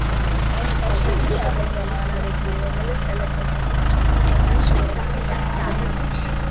არხს აქვს საინფორმაციო პროგრამა „ანარეკლი“, რომელიც ტელეკომპანიის არსებობის მანძილზე შეუფერხებლად გადის პირდაპირ ეთერში.